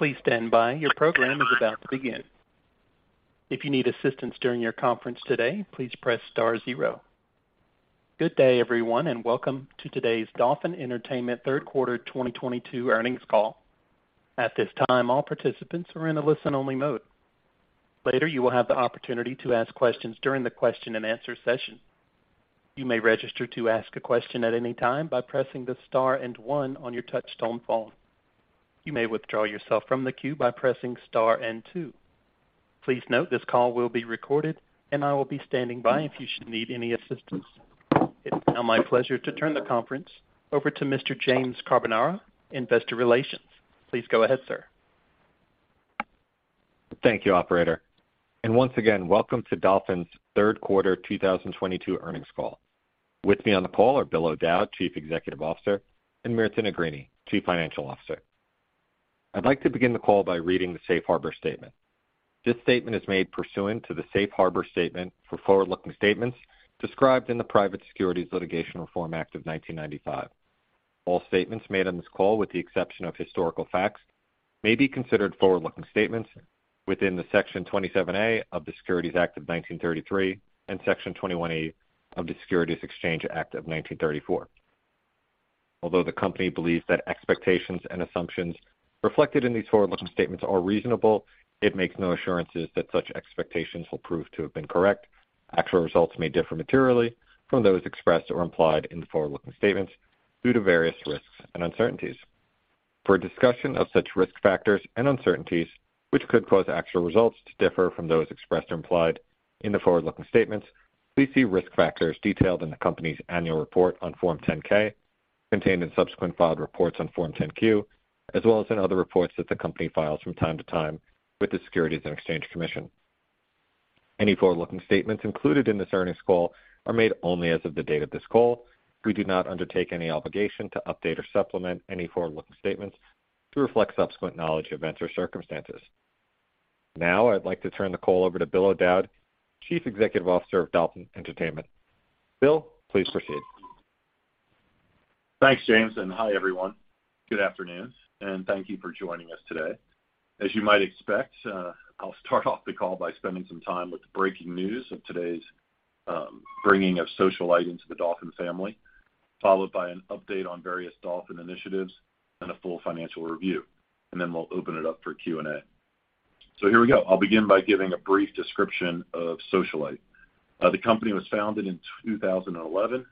Please stand by. Your program is about to begin. If you need assistance during your conference today, please press star zero. Good day, everyone, and welcome to today's Dolphin Entertainment third-quarter 2022 earnings call. At this time, all participants are in a listen-only mode. Later, you will have the opportunity to ask questions during the question-and-answer session. You may register to ask a question at any time by pressing the star and one on your touchtone phone. You may withdraw yourself from the queue by pressing star and two. Please note this call will be recorded, and I will be standing by if you should need any assistance. It's now my pleasure to turn the conference over to Mr. James Carbonara, Investor Relations. Please go ahead, sir. Thank you, operator, and once again, welcome to Dolphin's third quarter 2022 earnings call. With me on the call are Bill O'Dowd, Chief Executive Officer, and Mirta Negrini, Chief Financial Officer. I'd like to begin the call by reading the safe harbor statement. This statement is made pursuant to the safe harbor statement for forward-looking statements described in the Private Securities Litigation Reform Act of 1995. All statements made on this call, with the exception of historical facts, may be considered forward-looking statements within the Section 27A of the Securities Act of 1933 and Section 21A of the Securities Exchange Act of 1934. Although the company believes that expectations and assumptions reflected in these forward-looking statements are reasonable, it makes no assurances that such expectations will prove to have been correct. Actual results may differ materially from those expressed or implied in the forward-looking statements due to various risks and uncertainties. For a discussion of such risk factors and uncertainties which could cause actual results to differ from those expressed or implied in the forward-looking statements, please see risk factors detailed in the company's annual report on Form 10-K, contained in subsequent filed reports on Form 10-Q, as well as in other reports that the company files from time to time with the Securities and Exchange Commission. Any forward-looking statements included in this earnings call are made only as of the date of this call. We do not undertake any obligation to update or supplement any forward-looking statements to reflect subsequent knowledge, events, or circumstances. Now, I'd like to turn the call over to Bill O'Dowd, Chief Executive Officer of Dolphin Entertainment. Bill, please proceed. Thanks, James, and hi, everyone. Good afternoon, and thank you for joining us today. As you might expect, I'll start off the call by spending some time with the breaking news of today's bringing of Socialyte into the Dolphin family, followed by an update on various Dolphin initiatives and a full financial review. Then we'll open it up for Q&A. Here we go. I'll begin by giving a brief description of Socialyte. The company was founded in 2011,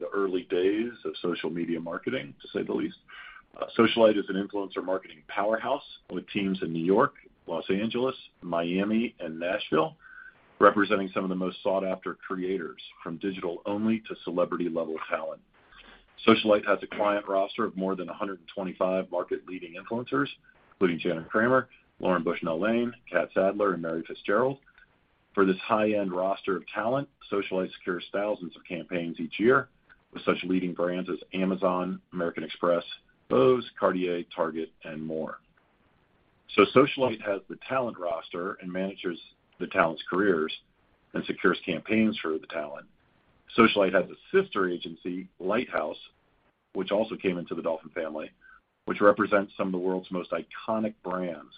the early days of social media marketing, to say the least. Socialyte is an influencer marketing powerhouse with teams in New York, Los Angeles, Miami, and Nashville, representing some of the most sought-after creators, from digital-only to celebrity-level talent. Socialyte has a client roster of more than 125 market-leading influencers, including Jana Kramer, Lauren Bushnell Lane, Catt Sadler, and Mary Fitzgerald. For this high-end roster of talent, Socialyte secures thousands of campaigns each year with such leading brands as Amazon, American Express, Bose, Cartier, Target, and more. Socialyte has the talent roster and manages the talent's careers and secures campaigns for the talent. Socialyte has a sister agency, Lytehouse, which also came into the Dolphin family, which represents some of the world's most iconic brands,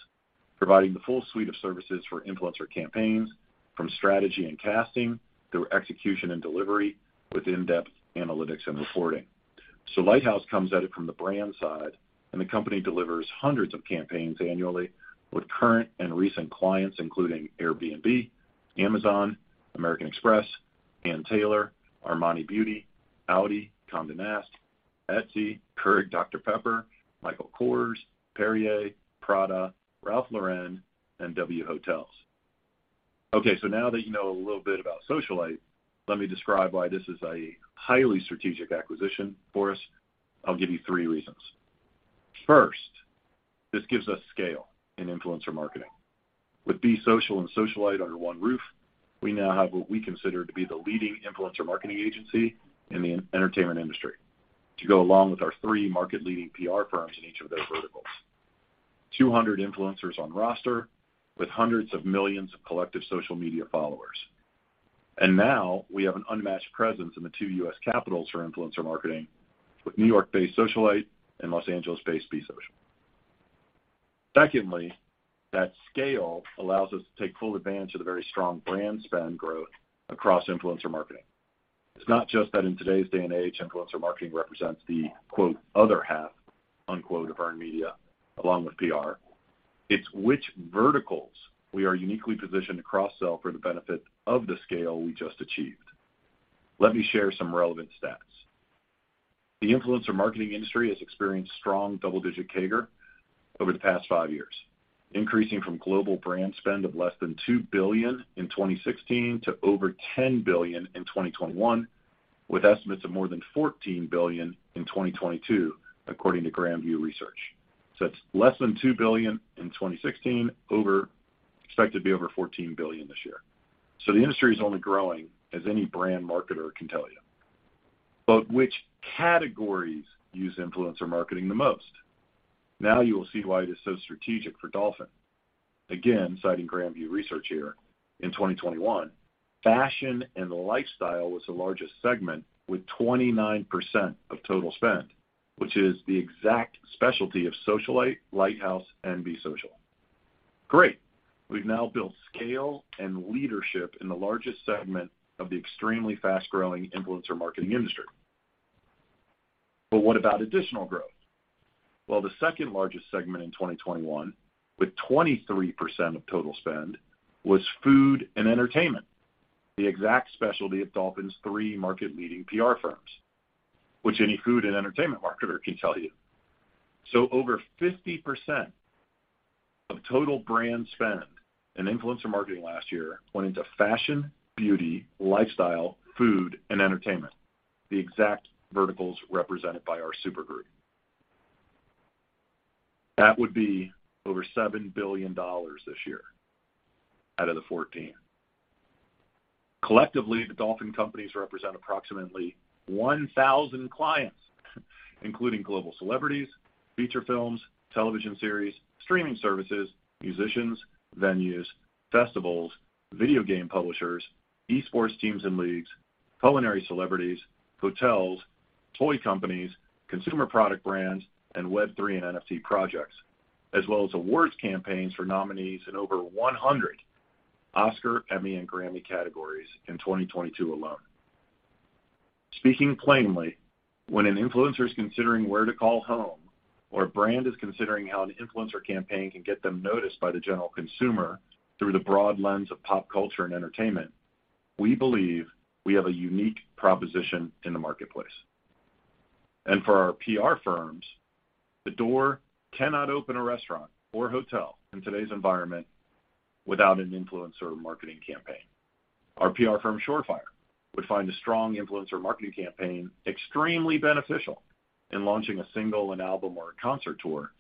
providing the full suite of services for influencer campaigns from strategy and casting through execution and delivery with in-depth analytics and reporting. Lytehouse comes at it from the brand side, and the company delivers hundreds of campaigns annually with current and recent clients, including Airbnb, Amazon, American Express, Ann Taylor, Armani Beauty, Audi, Condé Nast, Etsy, Keurig Dr. Pepper, Michael Kors, Perrier, Prada, Ralph Lauren, and W Hotels. Okay, now that you know a little bit about Socialyte, let me describe why this is a highly strategic acquisition for us. I'll give you three reasons. First, this gives us scale in influencer marketing. With Be Social and Socialyte under one roof, we now have what we consider to be the leading influencer marketing agency in the entertainment industry, to go along with our three market-leading PR firms in each of those verticals. 200 influencers on roster with hundreds of millions of collective social media followers. Now we have an unmatched presence in the two U.S. capitals for influencer marketing with New York-based Socialyte and Los Angeles-based Be Social. Secondly, that scale allows us to take full advantage of the very strong brand spend growth across influencer marketing. It's not just that in today's day and age, influencer marketing represents the, quote, "other half," unquote, of earned media along with PR. It's which verticals we are uniquely positioned to cross-sell for the benefit of the scale we just achieved. Let me share some relevant stats. The influencer marketing industry has experienced strong double-digit CAGR over the past five years, increasing from global brand spend of less than $2 billion in 2016 to over $10 billion in 2021, with estimates of more than $14 billion in 2022, according to Grand View Research. It's less than $2 billion in 2016, expected to be over $14 billion this year. The industry is only growing, as any brand marketer can tell you. Which categories use influencer marketing the most? Now you will see why it is so strategic for Dolphin. Again, citing Grand View Research here, in 2021, fashion and lifestyle was the largest segment with 29% of total spend, which is the exact specialty of Socialyte, Lytehouse, and Be Social. Great. We've now built scale and leadership in the largest segment of the extremely fast-growing influencer marketing industry. What about additional growth? Well, the second-largest segment in 2021, with 23% of total spend, was food and entertainment, the exact specialty of Dolphin's three market-leading PR firms, which any food and entertainment marketer can tell you. Over 50% of total brand spend in influencer marketing last year went into fashion, beauty, lifestyle, food, and entertainment, the exact verticals represented by our supergroup. That would be over $7 billion this year out of the $14 billion. Collectively, the Dolphin companies represent approximately 1,000 clients, including global celebrities, feature films, television series, streaming services, musicians, venues, festivals, video game publishers, e-sports teams and leagues, culinary celebrities, hotels, toy companies, consumer product brands, and Web3 and NFT projects, as well as awards campaigns for nominees in over 100 Oscar, Emmy, and Grammy categories in 2022 alone. Speaking plainly, when an influencer is considering where to call home, or a brand is considering how an influencer campaign can get them noticed by the general consumer through the broad lens of pop culture and entertainment, we believe we have a unique proposition in the marketplace. For our PR firms, The Door cannot open a restaurant or hotel in today's environment without an influencer marketing campaign. Our PR firm, Shore Fire, would find a strong influencer marketing campaign extremely beneficial in launching a single, an album, or a concert tour.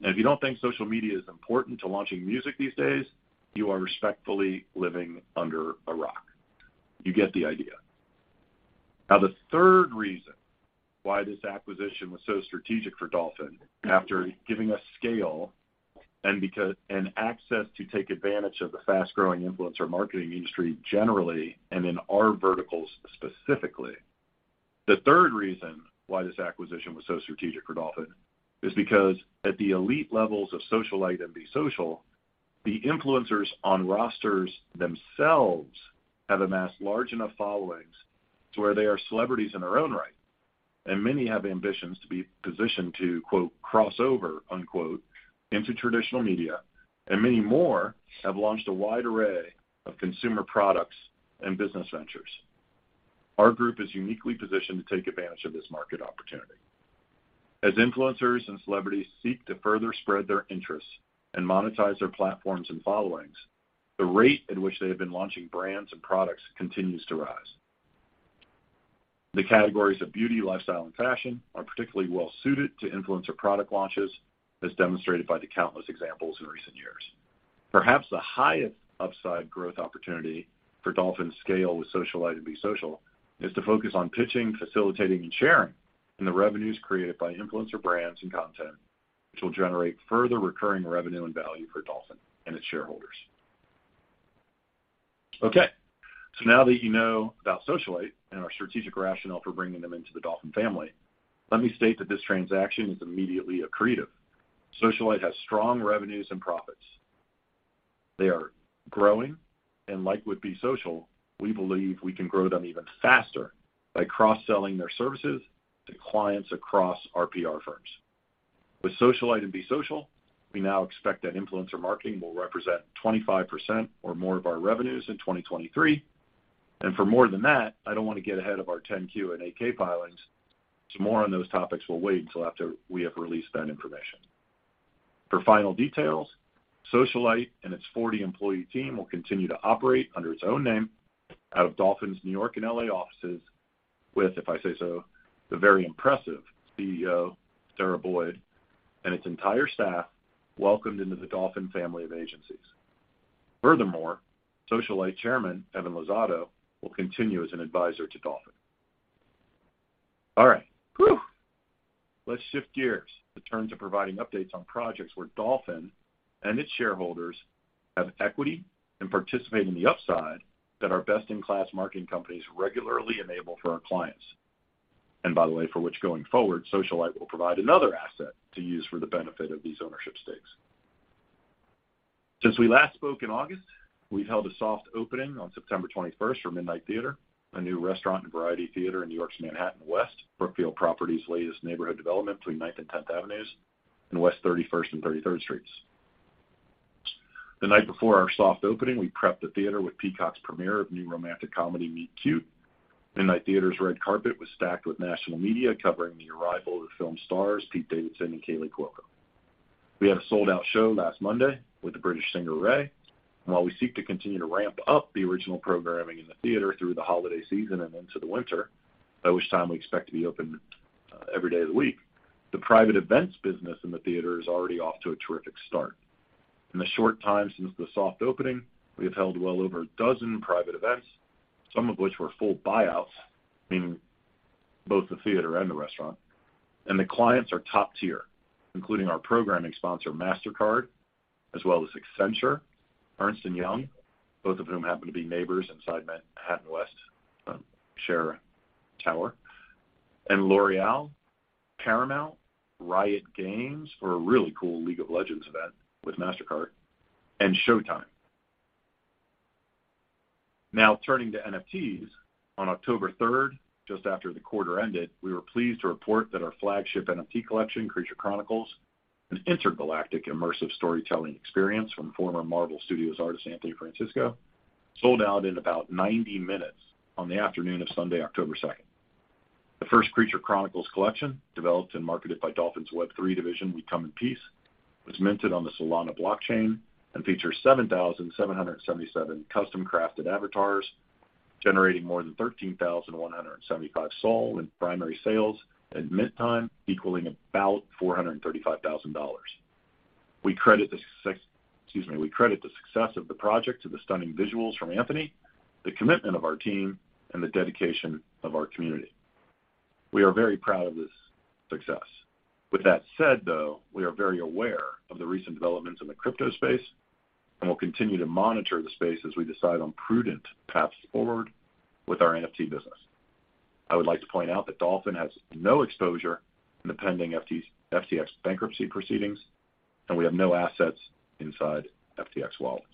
If you don't think social media is important to launching music these days, you are respectfully living under a rock. You get the idea. Now, the third reason why this acquisition was so strategic for Dolphin, after giving us scale and access to take advantage of the fast-growing influencer marketing industry generally and in our verticals specifically, the third reason why this acquisition was so strategic for Dolphin is because at the elite levels of Socialyte and Be Social, the influencers on rosters themselves have amassed large enough followings to where they are celebrities in their own right, and many have ambitions to be positioned to, quote, crossover, unquote, into traditional media, and many more have launched a wide array of consumer products and business ventures. Our group is uniquely positioned to take advantage of this market opportunity. As influencers and celebrities seek to further spread their interests and monetize their platforms and followings, the rate at which they have been launching brands and products continues to rise. The categories of beauty, lifestyle, and fashion are particularly well-suited to influencer product launches, as demonstrated by the countless examples in recent years. Perhaps the highest upside growth opportunity for Dolphin's scale with Socialyte and Be Social is to focus on pitching, facilitating, and sharing in the revenues created by influencer brands and content, which will generate further recurring revenue and value for Dolphin and its shareholders. Okay, so now that you know about Socialyte and our strategic rationale for bringing them into the Dolphin family, let me state that this transaction is immediately accretive. Socialyte has strong revenues and profits. They are growing, and like with Be Social, we believe we can grow them even faster by cross-selling their services to clients across our PR firms. With Socialyte and Be Social, we now expect that influencer marketing will represent 25% or more of our revenues in 2023. For more than that, I don't want to get ahead of our 10-Q and 8-K filings, so more on those topics will wait until after we have released that information. For final details, Socialyte and its 40-employee team will continue to operate under its own name out of Dolphin's New York and L.A. offices, with, if I say so, the very impressive CEO, Sarah Boyd, and its entire staff welcomed into the Dolphin family of agencies. Furthermore, Socialyte chairman Evan Luzzatto will continue as an advisor to Dolphin. All right. Whew. Let's shift gears in terms of providing updates on projects where Dolphin and its shareholders have equity and participate in the upside that our best-in-class marketing companies regularly enable for our clients. By the way, for which going forward, Socialyte will provide another asset to use for the benefit of these ownership stakes. Since we last spoke in August, we've held a soft opening on September 21st for Midnight Theatre, a new restaurant and variety theater in New York's Manhattan West, Brookfield Properties' latest neighborhood development between 9th and 10th Avenues and West 31st and 33rd Streets. The night before our soft opening, we prepped the theater with Peacock's premiere of new romantic comedy, Meet Cute. Midnight Theatre's red carpet was stacked with national media covering the arrival of the film stars Pete Davidson and Kaley Cuoco. We had a sold-out show last Monday with the British singer Raye. While we seek to continue to ramp up the original programming in the theater through the holiday season and into the winter, by which time we expect to be open every day of the week, the private events business in the theater is already off to a terrific start. In the short time since the soft opening, we have held well over a dozen private events, some of which were full buyouts, meaning both the theater and the restaurant. The clients are top-tier, including our programming sponsor, Mastercard, as well as Accenture, Ernst & Young, both of whom happen to be neighbors inside Manhattan West, One Manhattan West, and L'Oréal, Paramount, Riot Games, for a really cool League of Legends event with Mastercard, and Showtime. Now turning to NFTs. On October 3rd, just after the quarter ended, we were pleased to report that our flagship NFT collection, Creature Chronicles, an intergalactic immersive storytelling experience from former Marvel Studios artist Anthony Francisco, sold out in about 90 minutes on the afternoon of Sunday, October 2nd. The first Creature Chronicles collection, developed and marketed by Dolphin's Web3 division We Come in Peace, was minted on the Solana blockchain and features 7,777 custom-crafted avatars, generating more than 13,175 SOL in primary sales and mint time, equaling about $435,000. We credit the success of the project to the stunning visuals from Anthony, the commitment of our team, and the dedication of our community. We are very proud of this success. With that said, though, we are very aware of the recent developments in the crypto space, and we'll continue to monitor the space as we decide on prudent paths forward with our NFT business. I would like to point out that Dolphin has no exposure in the pending FTX bankruptcy proceedings, and we have no assets inside FTX wallets.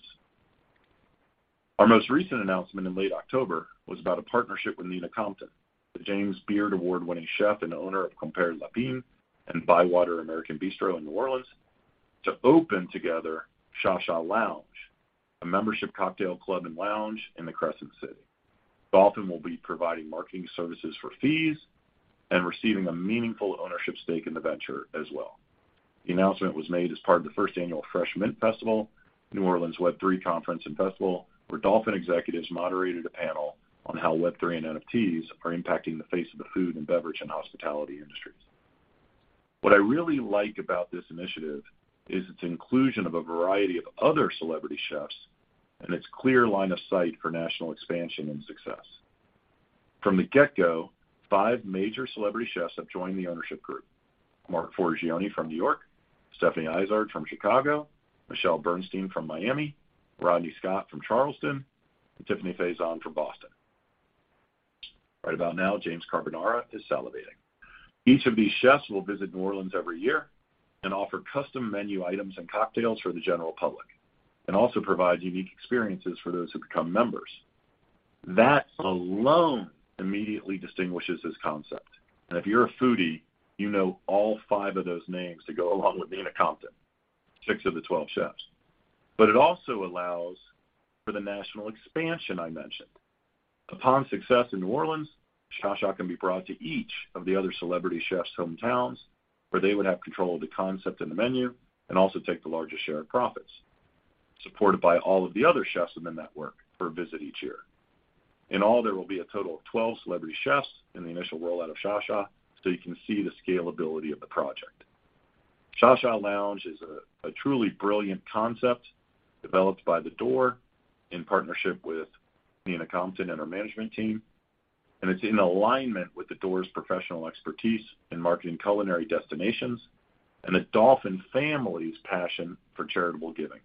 Our most recent announcement in late October was about a partnership with Nina Compton, the James Beard Award-winning chef and owner of Compère Lapin and Bywater American Bistro in New Orleans, to open together ShaSha Lounge, a membership cocktail club and lounge in the Crescent City. Dolphin will be providing marketing services for fees and receiving a meaningful ownership stake in the venture as well. The announcement was made as part of the first annual Fresh Mint Festival, New Orleans Web3 conference and festival, where Dolphin executives moderated a panel on how Web3 and NFTs are impacting the face of the food and beverage and hospitality industries. What I really like about this initiative is its inclusion of a variety of other celebrity chefs and its clear line of sight for national expansion and success. From the get-go, five major celebrity chefs have joined the ownership group. Marc Forgione from New York, Stephanie Izard from Chicago, Michelle Bernstein from Miami, Rodney Scott from Charleston, and Tiffani Faison from Boston. Right about now, James Carbonara is salivating. Each of these chefs will visit New Orleans every year and offer custom menu items and cocktails for the general public, and also provide unique experiences for those who become members. That alone immediately distinguishes this concept. If you're a foodie, you know all five of those names to go along with Nina Compton, six of the 12 chefs. It also allows for the national expansion I mentioned. Upon success in New Orleans, ShaSha can be brought to each of the other celebrity chefs' hometowns, where they would have control of the concept and the menu, and also take the largest share of profits, supported by all of the other chefs in the network for a visit each year. In all, there will be a total of 12 celebrity chefs in the initial rollout of ShaSha, so you can see the scalability of the project. ShaSha Lounge is a truly brilliant concept developed by The Door in partnership with Nina Compton and her management team, and it's in alignment with The Door's professional expertise in marketing culinary destinations and the Dolphin family's passion for charitable giving.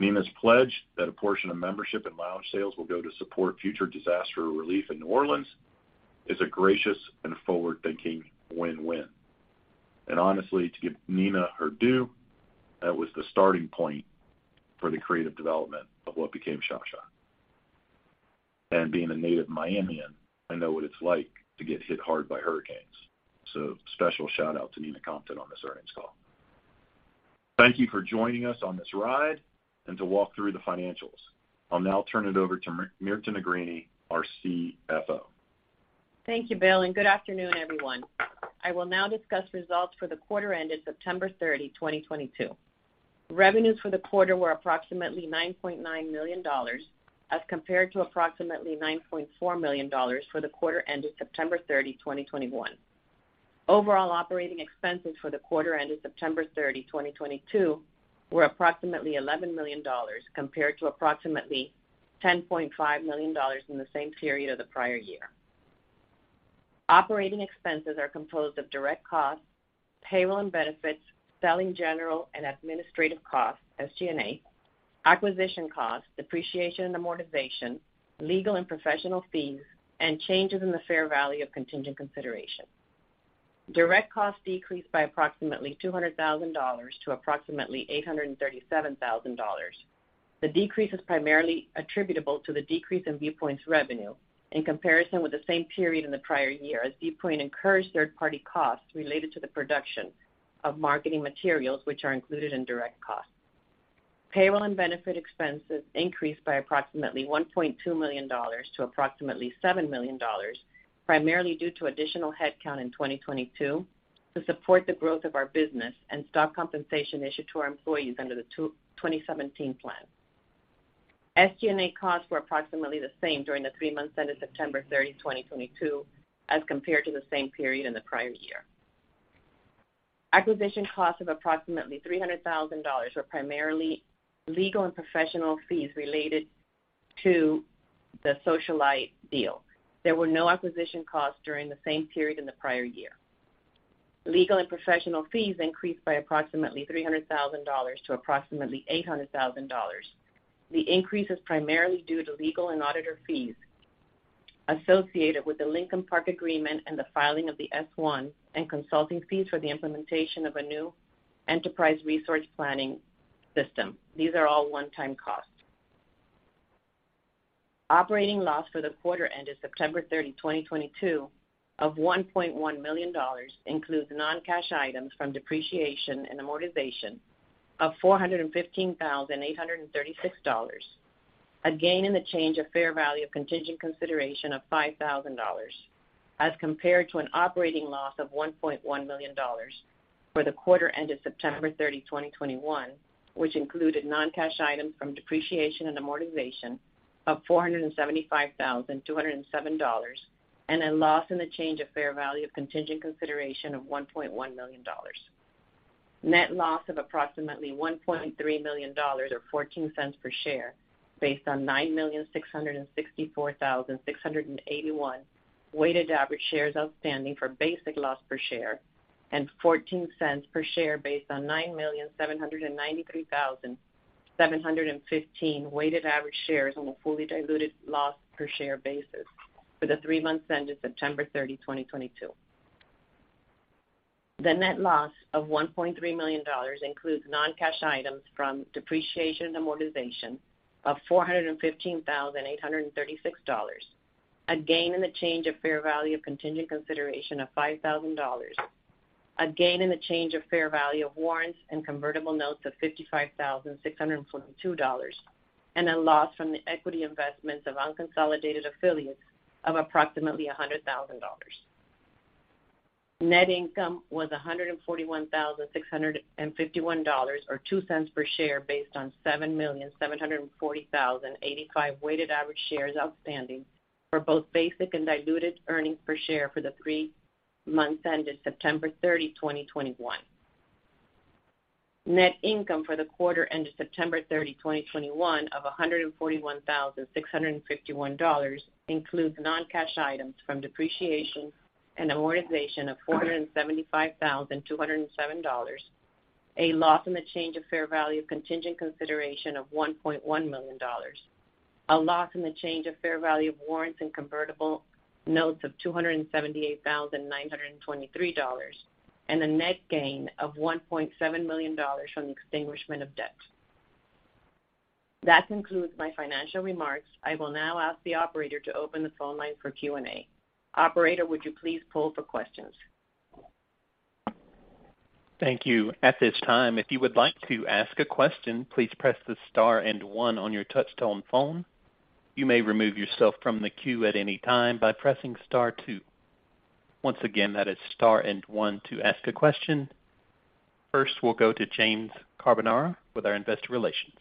Nina's pledge that a portion of membership and lounge sales will go to support future disaster relief in New Orleans is a gracious and forward-thinking win-win. Honestly, to give Nina her due, that was the starting point for the creative development of what became ShaSha. Being a native Miamian, I know what it's like to get hit hard by hurricanes, so special shout-out to Nina Compton on this earnings call. Thank you for joining us on this ride and to walk through the financials. I'll now turn it over to Mirta Negrini, our CFO. Thank you, Bill, and good afternoon, everyone. I will now discuss results for the quarter ended September 30, 2022. Revenues for the quarter were approximately $9.9 million as compared to approximately $9.4 million for the quarter ended September 30, 2021. Overall operating expenses for the quarter ended September 30, 2022, were approximately $11 million compared to approximately $10.5 million in the same period of the prior year. Operating expenses are composed of direct costs, payroll and benefits, selling, general, and administrative costs, SG&A, acquisition costs, depreciation and amortization, legal and professional fees, and changes in the fair value of contingent consideration. Direct costs decreased by approximately $200,000 to approximately $837,000. The decrease is primarily attributable to the decrease in Viewpoint's revenue in comparison with the same period in the prior year, as Viewpoint incurs third-party costs related to the production of marketing materials, which are included in direct costs. Payroll and benefit expenses increased by approximately $1.2 million to approximately $7 million, primarily due to additional headcount in 2022 to support the growth of our business and stock compensation issued to our employees under the 2017 plan. SG&A costs were approximately the same during the three months ended September 30, 2022, as compared to the same period in the prior year. Acquisition costs of approximately $300,000 were primarily legal and professional fees related to the Socialyte deal. There were no acquisition costs during the same period in the prior year. Legal and professional fees increased by approximately $300,000 to approximately $800,000. The increase is primarily due to legal and auditor fees associated with the Lincoln Park agreement and the filing of the S-1, and consulting fees for the implementation of a new enterprise resource planning system. These are all one-time costs. Operating loss for the quarter ended September 30, 2022, of $1.1 million includes non-cash items from depreciation and amortization of $415,836. A gain in the change of fair value of contingent consideration of $5,000 as compared to an operating loss of $1.1 million for the quarter ended September 30, 2021, which included non-cash items from depreciation and amortization of $475,207, and a loss in the change of fair value of contingent consideration of $1.1 million. Net loss of approximately $1.3 million or $0.14 per share based on 9,664,681 weighted average shares outstanding for basic loss per share and $0.14 per share based on 9,793,715 weighted average shares on a fully diluted loss per share basis for the three months ended September 30, 2022. The net loss of $1.3 million includes non-cash items from depreciation and amortization of $415,836. A gain in the change of fair value of contingent consideration of $5,000. A gain in the change of fair value of warrants and convertible notes of $55,642, and a loss from the equity investments of unconsolidated affiliates of approximately $100,000. Net income was $141,651 or $0.02 per share based on 7,740,085 weighted average shares outstanding for both basic and diluted earnings per share for the three months ended September 30, 2021. Net income for the quarter ended September 30, 2021 of $141,651 includes non-cash items from depreciation and amortization of $475,207, a loss in the change of fair value of contingent consideration of $1.1 million, a loss in the change of fair value of warrants and convertible notes of $278,923, and a net gain of $1.7 million from the extinguishment of debt. That concludes my financial remarks. I will now ask the operator to open the phone line for Q&A. Operator, would you please poll for questions? Thank you. At this time, if you would like to ask a question, please press the star and one on your touch-tone phone. You may remove yourself from the queue at any time by pressing star two. Once again, that is star and one to ask a question. First, we'll go to James Carbonara with our Investor Relations.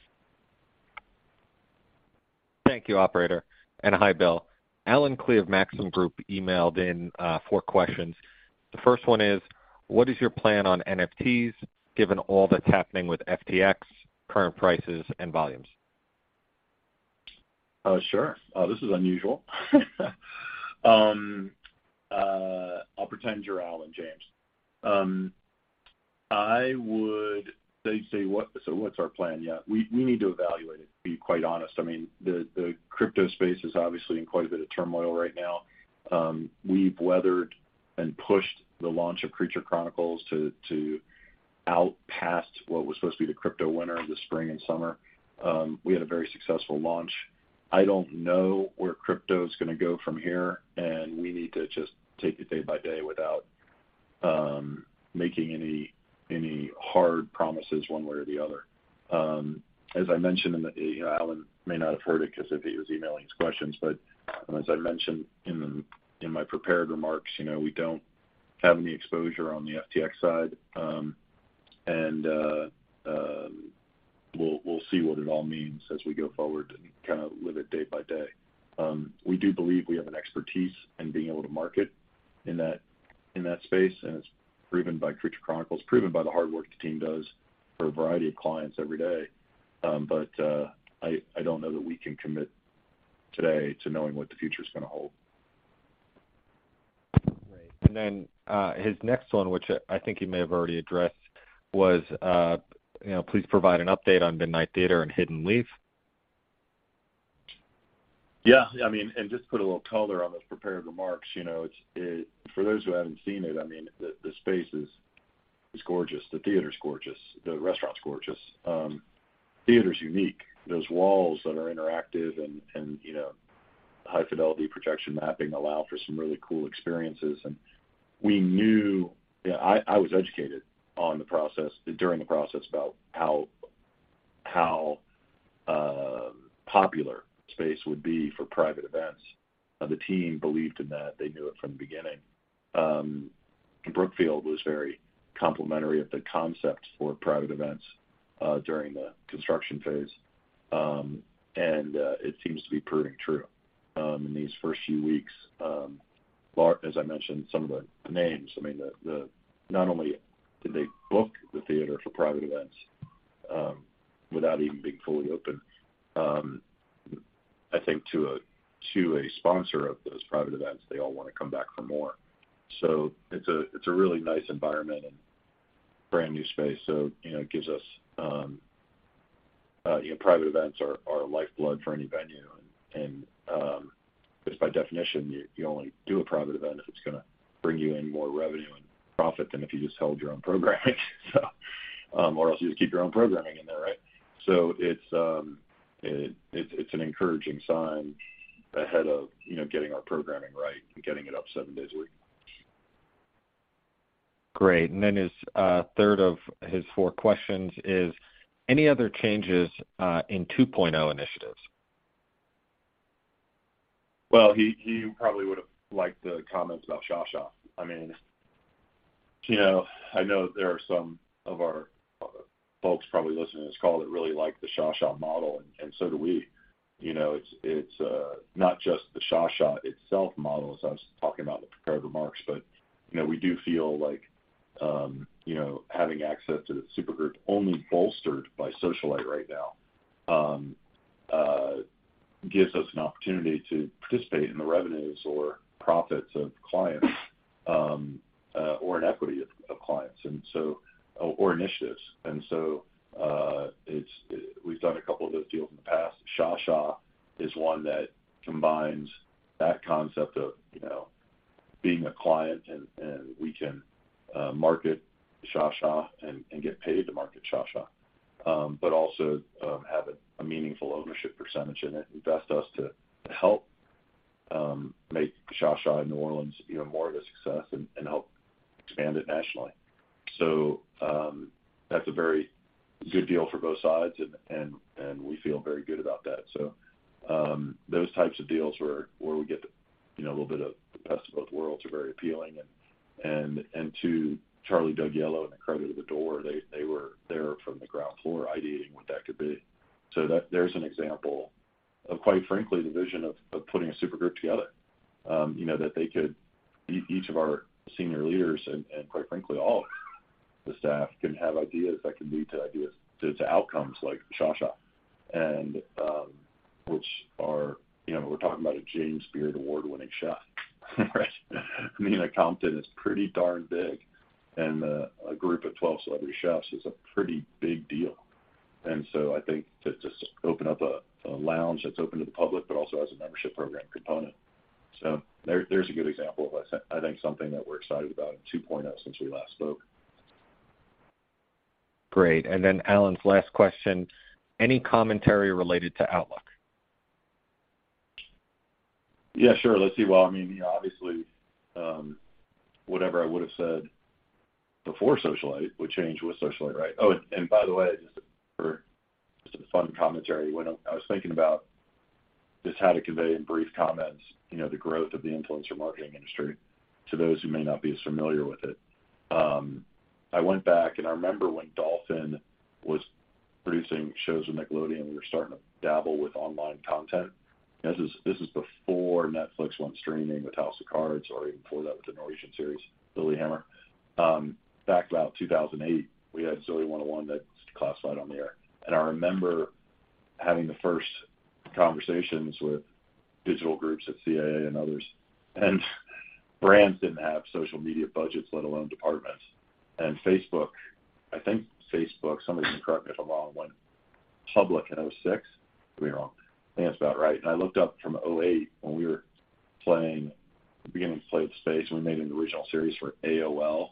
Thank you, operator, and hi, Bill. Allen Klee, Maxim Group, emailed in four questions. The first one is: What is your plan on NFTs given all that's happening with FTX current prices and volumes? Sure. This is unusual. I'll pretend you're Allen, James. So what's our plan? Yeah. We need to evaluate it, to be quite honest. I mean, the crypto space is obviously in quite a bit of turmoil right now. We've weathered and pushed the launch of Creature Chronicles to out past what was supposed to be the crypto winter, the spring and summer. We had a very successful launch. I don't know where crypto is gonna go from here, and we need to just take it day by day without making any hard promises one way or the other. As I mentioned in the Alan may not have heard it because if he was emailing his questions. As I mentioned in my prepared remarks, you know, we don't have any exposure on the FTX side. We'll see what it all means as we go forward and kind of live it day by day. We do believe we have an expertise in being able to market in that space, and it's proven by Creature Chronicles, proven by the hard work the team does for a variety of clients every day. I don't know that we can commit today to knowing what the future is gonna hold. Right. His next one, which I think you may have already addressed, was, you know, please provide an update on Midnight Theatre and Hidden Leaf. Yeah. I mean, just put a little color on those prepared remarks. You know, it's for those who haven't seen it. I mean, the space is gorgeous. The theater's gorgeous. The restaurant's gorgeous. Theater's unique. Those walls that are interactive, you know, high fidelity projection mapping allow for some really cool experiences. We knew. Yeah, I was educated during the process about how popular space would be for private events. The team believed in that. They knew it from the beginning. Brookfield was very complimentary of the concept for private events during the construction phase. It seems to be proving true. In these first few weeks, as I mentioned, some of the names, I mean, not only did they book the theater for private events without even being fully open, I think to a sponsor of those private events, they all wanna come back for more. It's a really nice environment and brand new space, so you know it gives us. You know, private events are lifeblood for any venue. Just by definition, you only do a private event if it's gonna bring you in more revenue and profit than if you just held your own programming. Or else you just keep your own programming in there, right? It's an encouraging sign ahead of, you know, getting our programming right and getting it up seven days a week. Great. His third of his four questions is: Any other changes in 2.0 initiatives? Well, he probably would've liked the comments about ShaSha. I mean, you know, I know that there are some of our folks probably listening to this call that really like the ShaSha model, and so do we. You know, it's not just the ShaSha itself model, as I was talking about in the prepared remarks, but you know, we do feel like you know, having access to this super group only bolstered by Socialyte right now gives us an opportunity to participate in the revenues or profits of clients or in equity of clients or initiatives. We've done a couple of those deals in the past. ShaSha is one that combines that concept of, you know, being a client and we can market ShaSha and get paid to market ShaSha, but also have a meaningful ownership percentage in it, invested to help make ShaSha in New Orleans, you know, more of a success and help expand it nationally. That's a very good deal for both sides and we feel very good about that. Those types of deals where we get, you know, a little bit of the best of both worlds are very appealing. To Charlie Dougiello and the credit of The Door, they were there from the ground floor ideating what that could be. There's an example of, quite frankly, the vision of putting a super group together, you know, that they could. Each of our senior leaders and quite frankly all the staff can have ideas that can lead to ideas to outcomes like ShaSha and which are. You know, we're talking about a James Beard Award-winning chef right? Nina Compton is pretty darn big, and a group of 12 celebrity chefs is a pretty big deal. I think to just open up a lounge that's open to the public, but also has a membership program component. There's a good example of what I said, I think something that we're excited about in 2.0 since we last spoke. Great. Allen's last question: Any commentary related to outlook? Yeah, sure. Let's see. Well, I mean, you know, obviously, whatever I would've said before Socialyte would change with Socialyte, right? Oh, and by the way, just for a fun commentary, I was thinking about just how to convey in brief comments, you know, the growth of the influencer marketing industry to those who may not be as familiar with it. I went back and I remember when Dolphin was producing shows with Nickelodeon, we were starting to dabble with online content. This is before Netflix went streaming with House of Cards or even before that with the Norwegian series, Lilyhammer. Back about 2008, we had Zoey 101 that's Class Fight on the air. I remember having the first conversations with digital groups at CAA and others, and brands didn't have social media budgets, let alone departments. Facebook, I think, somebody can correct me if I'm wrong, went public in 2006. Could be wrong. I think that's about right. I looked up from 2008 when we were playing, beginning to play with space, and we made an original series for AOL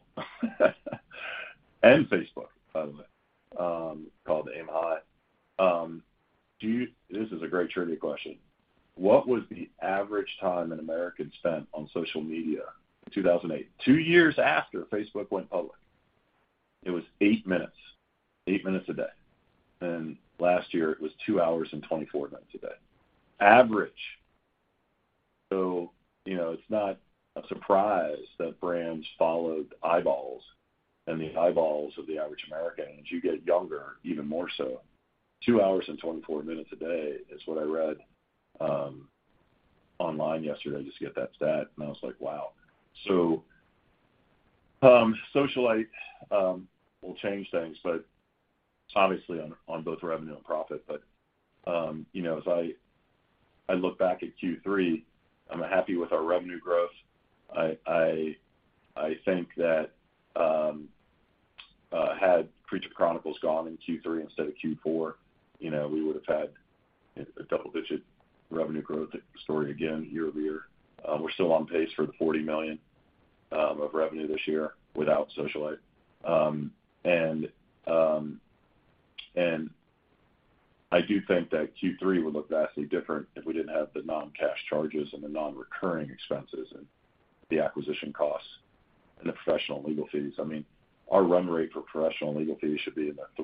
and Facebook, by the way, called Aim High. This is a great trivia question. What was the average time an American spent on social media in 2008, two years after Facebook went public? It was eight minutes a day. Last year, it was two hours and 24 minutes a day. Average. You know, it's not a surprise that brands followed eyeballs and the eyeballs of the average American. As you get younger, even more so. Two hours and 24 minutes a day is what I read online yesterday. I just get that stat, and I was like, "Wow." Socialyte will change things, but obviously on both revenue and profit. You know, as I look back at Q3, I'm happy with our revenue growth. I think that had Creature Chronicles gone in Q3 instead of Q4, you know, we would've had a double-digit revenue growth story again year-over-year. We're still on pace for the $40 million of revenue this year without Socialyte. I do think that Q3 would look vastly different if we didn't have the non-cash charges and the non-recurring expenses and the acquisition costs and the professional legal fees. I mean, our run rate for professional legal fees should be in the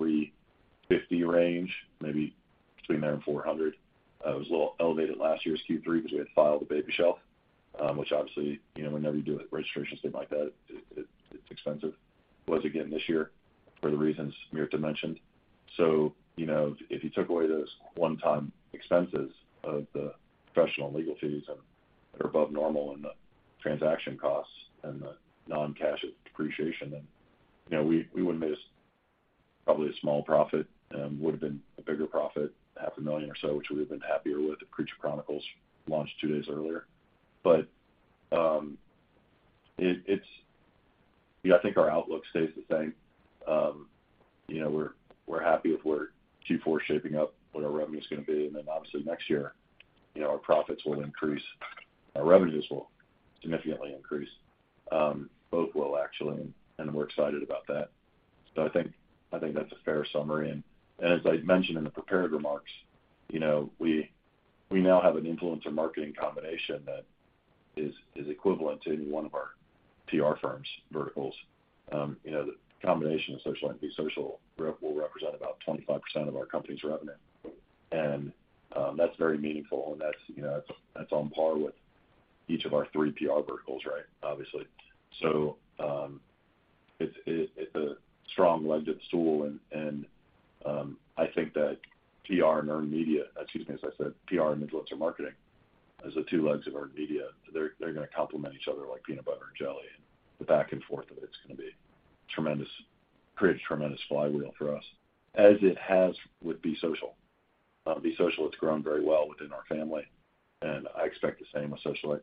$350 range, maybe between there and $400. It was a little elevated in last year's Q3 because we had to file the baby shelf, which obviously, you know, whenever you do a registration statement like that, it's expensive. It was again this year for the reasons Mirta mentioned. You know, if you took away those one-time expenses of the professional legal fees and that are above normal and the transaction costs and the non-cash depreciation, then, you know, we wouldn't miss probably a small profit, would've been a bigger profit, half a million or so, which we've been happier with if Creature Chronicles launched two days earlier. It's. You know, I think our outlook stays the same. You know, we're happy with our Q4 shaping up what our revenue's gonna be. Then obviously next year, you know, our profits will increase, our revenues will significantly increase, both will actually, and we're excited about that. I think that's a fair summary. As I mentioned in the prepared remarks, we now have an influencer marketing combination that is equivalent to any one of our PR firm's verticals. The combination of Socialyte and Be Social will represent about 25% of our company's revenue. That's very meaningful, and that's on par with each of our three PR verticals, right? Obviously. It's a strong-legged stool, and I think that PR and influencer marketing, as the two legs of earned media, they're gonna complement each other like peanut butter and jelly. The back and forth of it's gonna be tremendous, create a tremendous flywheel for us as it has with Be Social. Be Social, it's grown very well within our family, and I expect the same with Socialyte.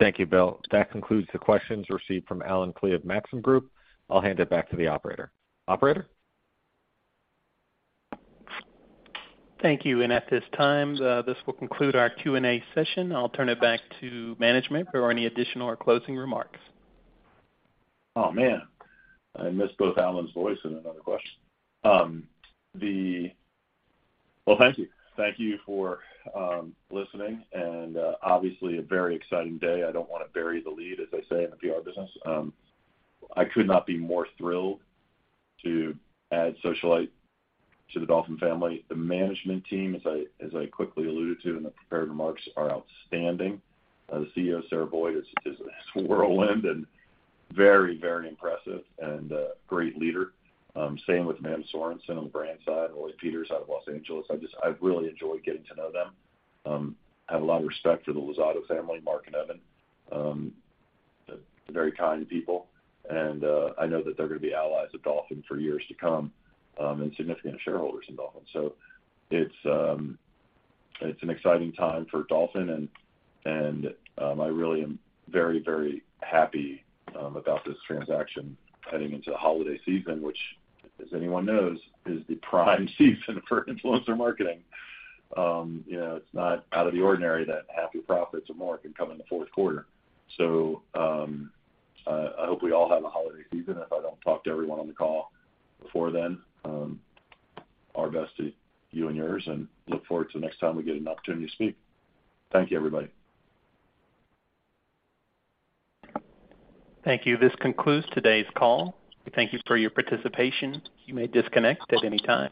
Thank you, Bill. That concludes the questions received from Allen Klee of Maxim Group. I'll hand it back to the operator. Operator? Thank you. At this time, this will conclude our Q&A session. I'll turn it back to management for any additional or closing remarks. Oh, man, I missed both Allen voice and another question. Well, thank you. Thank you for listening and obviously a very exciting day. I don't wanna bury the lead, as they say in the PR business. I could not be more thrilled to add Socialyte to the Dolphin family. The management team, as I quickly alluded to in the prepared remarks, are outstanding. The CEO, Sarah Boyd, is a whirlwind and very impressive and great leader. Same with Amanda Sorensen on the brand, Roy Peters out of Los Angeles. I've really enjoyed getting to know them. Have a lot of respect for the Luzzatto family, Mark and Evan. They're very kind people and I know that they're gonna be allies of Dolphin for years to come and significant shareholders in Dolphin. It's an exciting time for Dolphin and I really am very, very happy about this transaction heading into the holiday season, which as anyone knows, is the prime season for influencer marketing. You know, it's not out of the ordinary that half the profits or more can come in the fourth quarter. I hope we all have a holiday season. If I don't talk to everyone on the call before then, our best to you and yours, and look forward to the next time we get an opportunity to speak. Thank you, everybody. Thank you. This concludes today's call. Thank you for your participation. You may disconnect at any time.